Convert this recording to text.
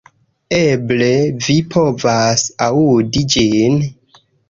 Eble vi povas aŭdi ĝin